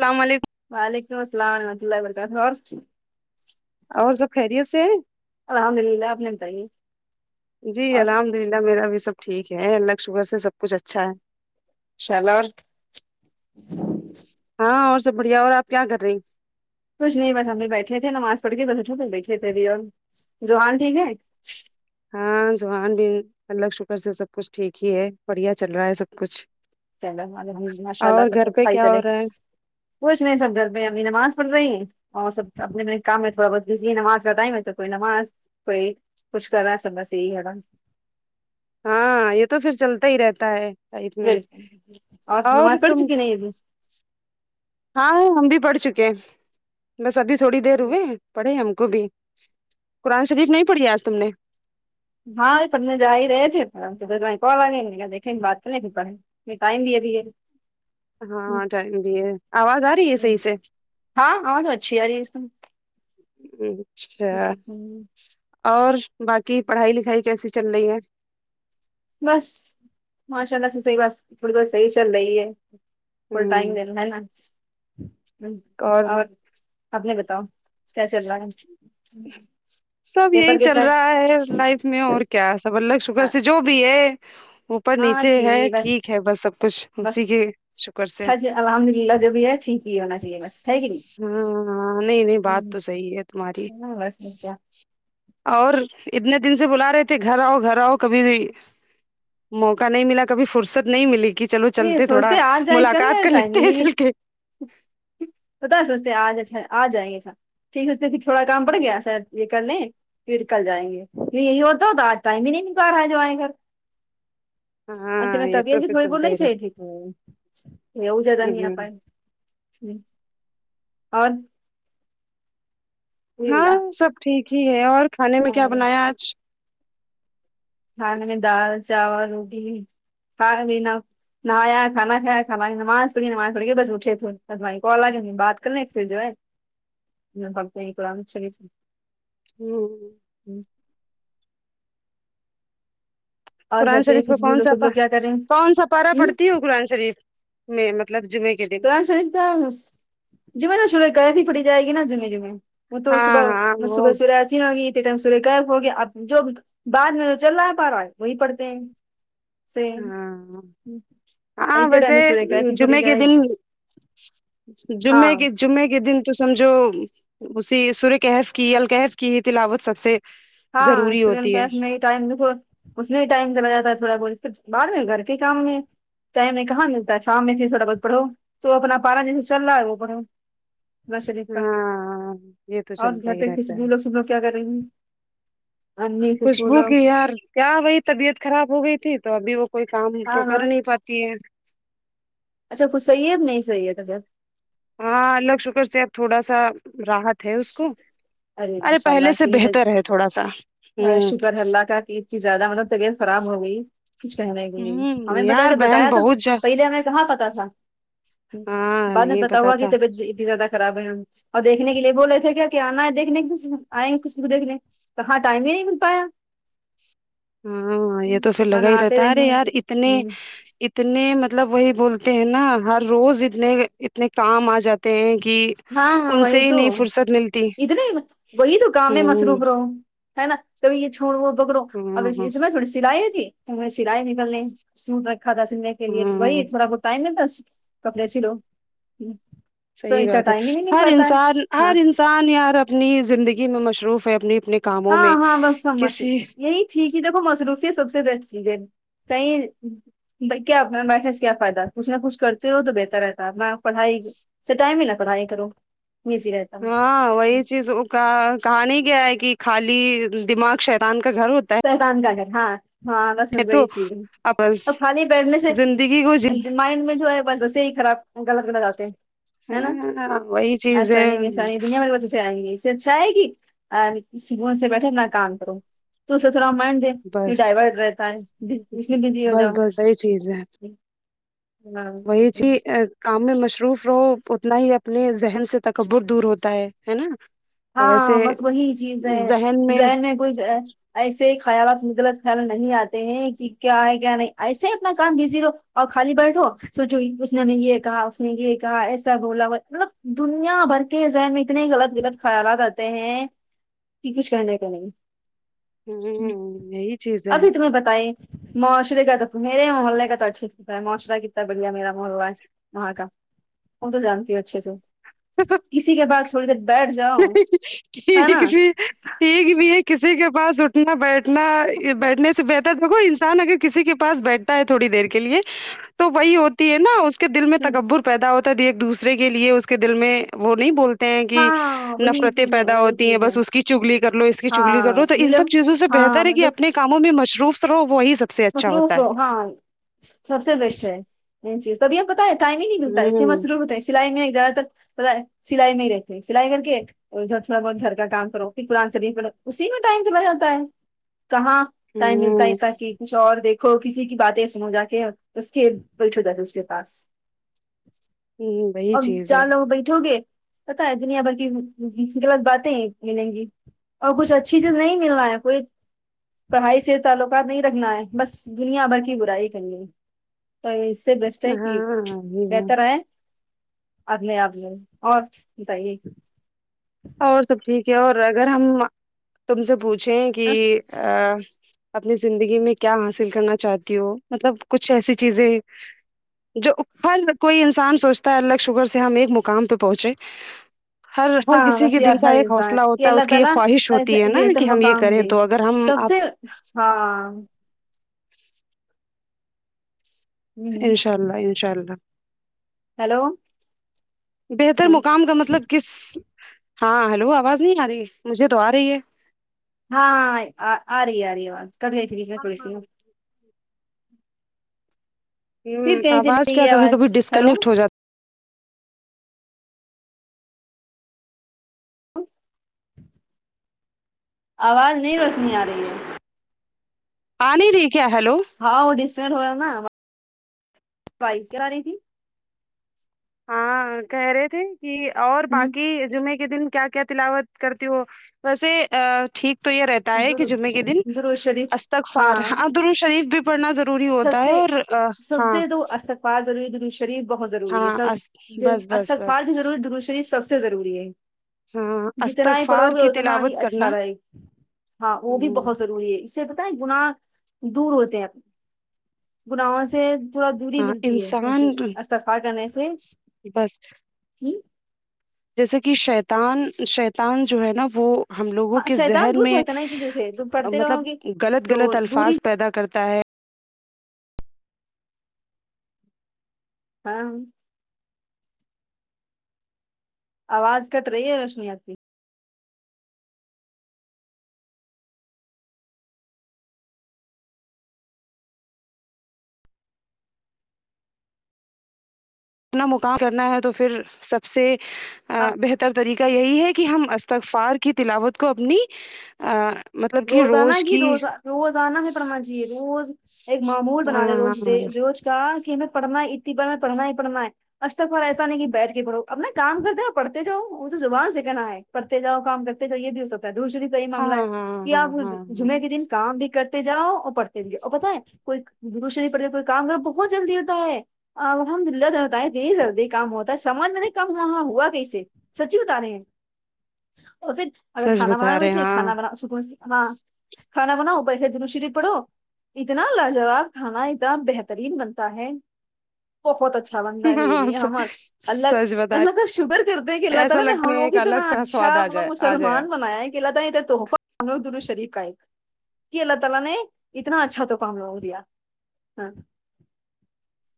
السلام علیکم وعلیکم اسلام رحمۃ اللہ و برکاتہ اور اور سب خیریت سے ہیں الحمد للہ اپنے بتایے اور الحد للہ میرا بھی سب ٹھیک ہے اللہ کے شکر سے سب کچھ اچھا ہے شلور ہاں اور سب بڑھیا اور آپ کیا کر رہے ہیں کچھ نہیں بس ہم بھی بیٹھے تھے نماز پڑھ کے بھی بس اٹھو پس بیٹھے تھے ابھی اور زحان ٹھیک ہے ہاں زحاں بھی اللہ کے شکر سے سب کچھ ٹھیک ہی ہے بڑھیا چل رہا ہے سب کچھ چلو الحمد ماشاء اللہ اور سب گھر پہ اچھائی کیا چلے ہو رہا ہے کچھ نہیں سب گھر پہ ہے امی نماز پڑھ رہی ہیں اور سب اپنے اپنے کام میں تھوڑا بہت بزی نماز پتائی ہے تو کوئی نماز کوئی کچھ کرا ہے سمس یہی ہے نا ہاں یہ تو پھر چلتا ہی رہتا ہے لائف میں اور نماز پڑھ تم چکی نہیں ابھی ہاں ہم بھی پڑھ چکے ہیں بس ابھی تھوڑی دیر ہوئے ہیں پڑے ہم کو بھی قرآن شریف نہیں پڑھی آج تم نے ہاں یہ پڑھنے جا ہی رہے تھے پر کوال دیکھے بات کر نہیں پڑ ہے مٹائم دیا دیھیے ہاں ٹائم بھی ہے آواز آ رہی ہے صحیح سے ہاں آواز اچھی یاری اس اچھا ہوں، اور باقی پڑھائی لکھائی کیسی چل رہی ہے بس ماشاء اللہ سے صحیح بس تھوڑی بہت صحیح چل رہی ہے فل ڈائم ہوں دینا ہے نا اور آپ نے بتاؤ کیا چل رہا ہے سب پیپر یہی کے چل ساتھ رہا ہے لائف میں اور کیا سا بل شوگر سے جو بھی ہے وہ پر نیچے ہے ٹھیک ہے بس سب کچھ بس اسی کے شکر سے یہ ہونا چاہیے بس ہے کہ نہیں ہاں ہاں نہیں نہیں بات تو صحیح ہے تمہاری ہ بسم کیا اور اتنے دن سے بلا رہے تھے گھر آؤ گھر آؤ کبھی بھی موقع نہیں ملا کبھی فرصت نہیں ملی کہ چلو نہیں چلتے تھوڑا سوچتے آ جائیں کل ملاقات کر لیتے ہیں چل کے پتہ سوچتے آج اچا آج جائیں گےچا ٹھیک ہوتے پھر تھوڑا کام پڑ گیا شاید یہ کرنے پھرکل جائیں گے یہی ہوتا ہو تو آج ٹائم ہی نہیں نک رہ ہے جو آئےیں گھر ہاں ایکت روپ چلتا رہے جی تو ا جتا نہیں اپائے اور ہاں سب ٹھیک ہی ہے اور کھانے میں کیا بنایا آج کھانے میں دال چاول روٹی کھا لے نہ نہایا کھا کایا کھا نماز پڑھی نماز پڑی بس اٹھے تھے کو الگے نہیں بات کر ل پھر جو ہے ہ ببت کو چ ہوں ہوں اور گھر قرآن پہ شریف کو خوشبو کون لوگ سا سب لوگ کیا کر رہے ہیں کون سا پارا ہ پڑتی ہو قرآن شریف میں مطلب جمعے کے د ن اں س جمے نہ شور گ ہی پڑی جائے گی نا جمے جمے وہ تو ہاں صبح ہاں وہ صبح سبے آچ نہ گ ٹم سور کہف ہو گیا اب جو بعد میں جو چل رہا پا رہا ہے وہی پڑھتے ہیں سے ہاں ہاں ایتے ٹائم ویسے سورج کی ہی پڑی جمعے کے جائے دن گی ہاں جمعے کے جمعے کے دن تو سمجھو اسی سور کہف کی الکحف کی ہی تلاوت سب سے ہاں ضروری سور ہوتی ہے کہف میں ٹائم دیکھو اس نے بھی ٹائم دلا جاتا تھا تھوڑا بہت پھر بعد میں گھر کے کام میں ٹائم میں کہاں ملتا ہے شام میں سےھر تھوڑا بہت پڑھو تو اپنا پارا جیسے چل رہا ہے وہ پڑھو نواز شریف کا ہاں یہ تو اور چلتا گھر ہی تھ کھ رہتا بھی ہے لوگ سب لوگ کیا کر رہیں ہیں امی خوشبو لوگ کی یار کیا وہی طبیعت خراب ہو گئی تھی تو ابھی وہ کوئی کام تو ہاں کر ہاں نہیں پاتی ہے اچھا کچھ صحیح اب نہیں صحیح تھا جب ہاں الله کا شکر سے آب تھوڑا سا راحت اس کو ارے ماشاء پہلے اللہ سے اتنی بہتر ہے تھوڑا سا ہ حلالہ کا کہ زیادہ مطلب طبیعت خراب ہو گئی کچھ کہنا ہے گول ہمیں ہوں بتا یار جب بہن بتایا تو بہت جا پہلے ہمیں کہاں پتہ تھا ہاں بعد میں نہیں بتا پتا ہوا کہ تھا طبعت اتنی زیادہ خراب ہے ہم اور دیکھنے کے لیے بولے تھے کیا کیا آنا ہے دیکھنے آئےیں کچ بھی دیکنے کہ ہاں ٹائم بھی نہیں مل پایا ہاں یہ تو پھر لگا ورنہ ہی آتے رہتا ہے ارے دیکھنا یار اتنے ہ اتنے مطلب وہی بولتے ہیں نا ہر روز اتنے اتنے کام آ جاتے ہیں کی ہاں ہاں وہئی توو ا نے وہئی دو گامے ہوں مسروبر ہے نا تو یہ چھوڑو بکڑو اب ہوں اس میں تھوڑی سلائی ہو تھی تو ہم نے سلائی نکلنے سوٹ رکھا تھا سلنے کے لیے تو وہی ہوں تھوڑا بہت ٹائم کپڑے سینے صحیح بات ہے ہر انسان ہے ہاں ہر انسان یار اپنی زندگی میں مصروف ہے اپنی اپنے کاموں ہاں میں ہاں بس سب مش کسی یہی ٹھیک ہی دیکھو مصروفی سب سے بیسٹ چیز ہے کہئی کیا اپنا بیٹھنے سے کیا فائدہ کچھ نہ کچھ کرتے ہو تو بہتر رہتا ہے میں پڑھائی سے ٹائم ہی نہ پڑھیں کرو نیچی رہتی ہاں وہی چیزوں کا کہا نہیں کیا ہے کہ خالی دماغ شیطان کا گھر ہوتا ہے شیتن کا گھر ہاں ہاں تو وہی چیز اپس اور خالی بیٹھنے سے زندگی کو مائنڈ میں جو ہے بس وسوسے ہی خر آپ غلطنا جاتے ہیں ہے نا ہاں وہی چیز ہے آسانی بھی آسانی دنیا میرے پاس سے آئیں گی جائے گی سکون سے بیٹھے اپنا کام کروں تو س سرام م آ دے بس ڈائیورٹ رہتا ہے اس میں بزی ہو بس جاؤ بس وہی چیز ہے ہاں وہی جی چیز کام میں مصروف رہو اتنا ہی اپنے ذہن سے تکبر دور ہوتا ہے ہے نا ویسے ہاں بس وہی چیز ہے ذہر میں کوئی ایسے ہی خیالات غلط خیال نہیں آتے ہیں کہ کیا ہے کیا نہیں ایسے ہی اپنا کام بزی لو اور خال بیٹو سوچوئی اس نے ہمیں یہ کہا اس نے یہ کہا ایسا بولا ہو مطلب دنیا بھر انے ذہن میں اتنے غلط غلط خیالات آتے ہیں کہ کچھ کرنے کے نہیں ہ ہوں یہی چیز ہے ابھی تمہیں بتائے معاشرے کا تو میرے محلے کا تو اچھھی ستا ہے معاشرہتتا بڑھیا میرا محول و ہے وہاں کا وہ تو جانتی اچھے سے اسی کے بد تھوڑی دیر بیٹ ٹھیک بھی ٹھیک بھی ہے کسی کے پاس اٹھنا بیٹھنا بیٹھنے سے بہتر دیکھو انسان اگر کسی کے پاس بیٹھ ہے تھوڑی دیر کے لیے تو وہی ہوتی ہے نا اس کے اس کے دل میں تکبر پیدا ہوتا تھا ایک دوسرے کے لیے اس کے دل میں وہ نہیں بولتے ہیں کہ ہاں وہی نفرتیں چیز ہے پیدا وہی ہوتی ہیں چیز ہے بس اس کی چگلی کر لو اس کی چگلی کر لو ہاں تو ان سب نیلم چیزوں سے ہاں بہتر ہے کہ مطلب اپنے کاموں میں مصروف رہو وہی سک فسرو وسرو ہاں سب سے بیسٹ ہے یہ چیز تبھی پت ہے ٹائم ہی نہیں ملتا ہےسے ہوں میںضرور ہوتا سلائی میں زیادہ تر سلائی میں ہی رہتے ہیں سلائی کر کے اور ادھر تھوڑا بہت گھر کا کام کرو پھر قرآن شریف پر اسی میں ٹائم چلا جاتا ہے کہاں ٹایم جی ہوں تھا کہ کچھ اور دیکھو کسی کی باتیں سنو جا کے اس کے بیٹھ ہوتا تھا اس کے پاس ہوں وہی اب چیز ہے جان لوگ بیٹھو گے پتا ہے دنیا بھر کے غلت باتیں ہی ملیں گی اور کچھ اچھی سے نہیں مل رہا ہے کوئی پڑھائی سے تعلقات نہیں رکھنا ہے بس دنیا بھر کی برائی کرنی تو اس سے بیسٹ ہے کہ ہاں یہ بہتر ہے آدنے آدنے اور بتائیے اور سب ٹھیک ہے اور اگر ہم تم سے پوچھیں کہ اپنی زندگی میں کیا حاصل کرنا چاہتی ہو مطلب کچھ ایسی چیزیں جو ہر کوئی انسان سوچتا ہے الگ شوگر سے ہم ایک مقام پہ پہنچے ہر ہر ہاں کسی بس کے دل یار کا ہر ایک انسان حوصلہ ہوتا ہے اس اللہ کی یہ تعالی خواہش ایسے ہوتی ہے نا بہتر کہ ہم یہ مقام کریں دے تو اگر ہم سب آپ سے ہاں ہ انشاء اللہ انشاء اللہ ہیلو بہتر مقام کا مطلب کس ہاں ہلو آواز نہیں آ رہی مجھے تو آ رہی ہے ہاں آ رہی آ رہی آواز کد گئی تھی بیچ میں تھوڑی س میں پھر ہ کہیں چلی آواز گئی کیا ہے کبھی کبھی آواز ہیلو ڈسکنیکٹ ہو جاتا آواز نہیں رچنی آ رہی ہے آ نہیں رہی کیا کیا ہیلو ہاں وہ ڈسٹ ہو ہےا بائی س ساری ہاں کہہ رہے تھے کہ اور باقی جمعے کے دن کیا کیا تلاوت کرتی ہو ویسے ٹھیک تو یہ رہتا ہے کہ ہ جمعے کے دن درو شریف استغفار ہاں ہا در شریف بھی پڑھنا ضروری ہوتا ہے اور ہاں بادری د شریف بہت ضروری ہے ہاں سب اس- بس بس بس استغفار بھی ضور ہے درو شریف سب سے ضروری ہے ہاں جتنا ہی پڑھو استغفار گے کی اتنا ہی تلاوت کرنا اچھا رہے گی ہاں وہ بھی ہوں، بہت ضروری ہے اس سے پتا ہے گناہ دور ہوتے ہیں گناہوں سے تھوڑا دوری ہاں ملتی ہے جی انسان استفار کرنے سے بس جی جیسے کہ شیطان شیطان جو ہے نا وہ ہم لوگوں ہاں کے شیطان ذہن دور میں بھگتا ہے نا ان چیزوں سے تم پڑھتے رہو مطلب گے غلط تو غلط دوری الفاظ پیدا کرتا ہے ہاں آواز کٹ رہی ہے روشنییات کی اپنا مقام کرنا ہے تو پھر سب سے آ- بہتر طریقے یہی ہے کہ ہم استغفار کی تلاوت کو اپنی مطلب کہ روزانہ گ کی روز روزانہ ہے پڈهنا چائے روز ایک معمول ہاں بنا رہے روز روز کا کہ ہم پڑھنا ہے اتنی بار پڑھنا ہی پڑھنا ہے استقفار ایسا نہیں کہ بیٹھ کے پڑھو اپنا کام کرتے اور پڑھتے تھ وہ تو زبان سے کہنا ہے کرتے جاؤ کام کرتے جاؤ یہ بھی ہوتا ہے درودشریف ہاں ہاں کہ آپ ہاں نہ ہاں ہاں جمعے کے دن کام بھی کرتے جاؤ اور پڑتے اور پتا ہے کوئی درود شریف پڑتا کوئی کام کرو بہت جلدی ہوتا ہے آ الحمد للہ تو بتائیں دی جلدی کام ہوتا ہے سمج میں نہیں کام ہوا وہاں ہوا کییسے سچی بتا رہے ہیں اور پھر اگر سچ کھانا بنانا بتا رہے بیٹھے ہاں کھانا بنا صبح سے ہاں کھانا بناؤ بیٹھکے درود شریف پڑو اتنا لاجواب کھانا اتنا بہترین بنتا ہے بہت اچھا بنتا ہے یہ ہاں لیے ہمار سچ اللہ بتا اللہ رہے کا شکر کر تے ہیں کہ اللہ ایسا تالی نا لگتا ہم میں لوگ ایک کتنا الگ سا اچھا سواد آ مطلب جائے آ جائے مسلمان بنایا کہ اللہ تعالی نے جو تحفہ درود شریف کا ایک کہ اللہ تعالی نے اتنا اچھا طوفہ ہم لوگوں کو دیا ہاں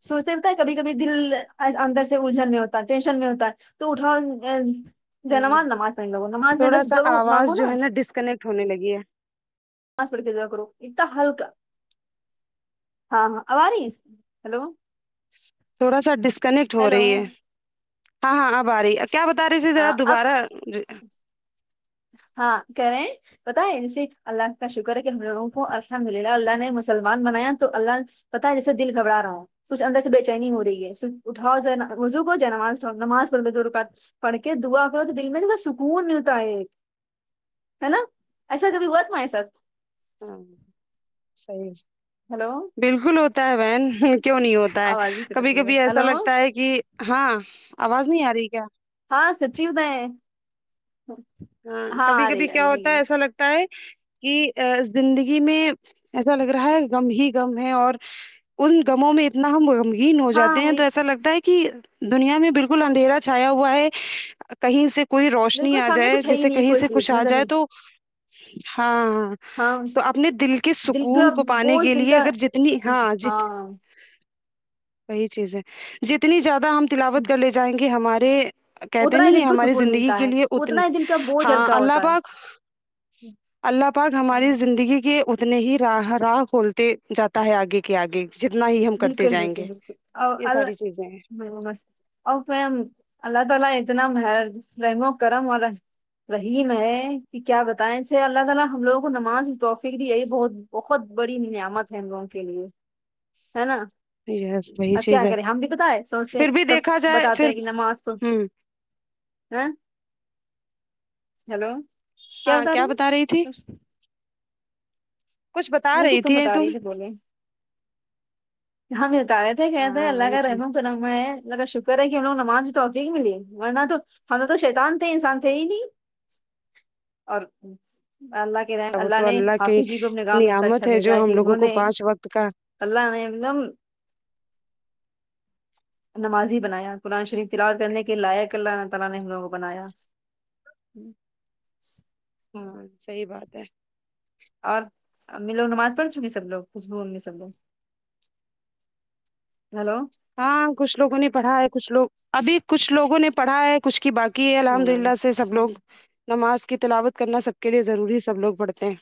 سوچتے ہوتا ہے کبھی کبھی دل اندر سے الجن میں ہوتا ہے ٹینشن میں ہوتا ہے تو ہ نہ نماز نماز میں اللہ سے ضرور مانگو نا نٹ ڈسکنیکٹ ہونے لگی ہے [unintelligible] ہلکا ہاں ہاں اب اری ہلو تھوڑا سا ڈسکنیکٹ ہو رہی ہیلو ہے ہاں ہاں اب آ رہی کیا بتا رہی تھے آ، ذرا اب دوبارہ ہاں کرے پتہ ہے جے اللہ کا شکر ہے کہ ہم لوگوں کو الحمد للہ اللہ نے مسلمان بنایا تو اللہ پتا ہے جیسے دل گھبرا رہا ہوں سچھ اندر سے بےچینی ہو رہی ہے سچ اٹھؤ جا وضو کر لو نماز پڑ لو دو رکعت پڈ کے دعا کرو تو دل میں کتنا سکون ملتا ہے ہے نا ایسا کبھی ہوا تمھارے ساتھ ہاں سی ہلو بالکل ہوتا ہے بہن کیوں نہیں ہوتا ہے آواز بھی کٹ کبھی رہی ہے کبھی ایسا ہلو لگتا ہے کہ ہاں آواز نہیں آ رہی کیا ہاں سچی بتائ ہاں کبھی کبھی کیا ہوتا ہے ایسا لگتا کہ زندگی میں ایسا لگ رہا ہے گم ہی گم ہے اور ان گموں میں اتنا ہم ہی ہو جاتے ہاں ہیں تو وہی ایسا لگتا ہے کہ دنیا میں بالکل اندھیرا چھایا ہوا ہے کہیں سے کوئی روشنی بالکل آ سامنے جائے کچھ ہے ہی جیسے نہیں کہیں کوئی سے کچھ چیز آ نظر جائے نہیں ہاں ہاں تو اپنے دل کے دل سکون تھوڑا کو پانے بوجھ کے دل لیے کا اگر جتنی ہاں جت ہاں وہی چیز ہے جتنی زیادہ ہم تلاوت کر لے جائیں گے ہمارے کہتے اتنا ہی نہیں ہیں دل کو ہماری سکون زندگی ملتا کے ہے لیے اتنے اتنا ہی دل کا بوجھ ہاں ہلکا اللہ ہوتا ہے پاک اللہ پاک ہماری زندگی گی کے اتنے ہی راہ راہ کھولتے جاتا ہے آگے کے آگے جتنا ہی ہم کرتے بالکل جائیں گے یہ ساری چیزیں ہیں میں وہ بس اور فہم اللہ تعالی اتنا مہر رحم و کرم اور وہی میں کہ کیا بتائیں سے اللہ تعالی ہم لوگوں کو نماز کی توفیق دی ہے یہی بہت بہت بڑی نعمت ہے ہم لوگوں کے لیے ہے نا یس وہی اب کیا چیز ہے کریں ہم بھی بتائے سوچتے ہیں پھر بھی سب دیکھا جائے بتاتے پھر ہیں کہ نماز کو ہوں ہیں ہیلو کیا بتا رہی کچھ بتا نہیں رہی کچھ تھی بتا تم رہی بولے ہم یہ بتارے تھے کہتے ہیں ہاں اللہ وہی کا رحم چیز و کرم میں اللہ کا شکر ہے کہ ہم لوگوں کو نماز کی توفیق ملی ہے ورنہ تو ہم لوگ تو شیطان تھے انسان تھے ہی نہیں اور اللہ کے کے رحم وہ اللہ تو نے کی حافظ جی کو اپنے گاؤں میں اتنا اچھا نعمت بھیجا جو ہے ہم کہ لوگوں انہوں کو نے پانچ وقت کا اللہ نے ایک دم نمازی بنایا قرآن شریف تلاوت کرنے کے لائق اللہ نے تعالی نے ہم لوگوں کو بنایا ہاں صحیح بات ہے اور امی لوگ نماز پڑھ چکی سب لوگ خوشبو امی سب لوگ ہیلو ہاں کچھ لوگوں نے پڑھا ہے کچھ لوگ ابھی کچھ لوگوں نے پڑھا ہے کچھ کی باقی ہے الحمد للہ سے سب لوگ اچھا نماز کی تلاوت کرنا سب کے لیے ضروری ہے سب لوگ پڑھتے ہیں